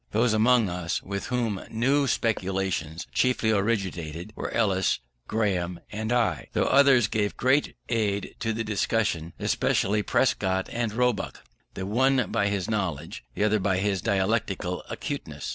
Those among us with whom new speculations chiefly originated, were Ellis, Graham, and I; though others gave valuable aid to the discussions, especially Prescott and Roebuck, the one by his knowledge, the other by his dialectical acuteness.